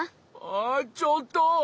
あちょっと！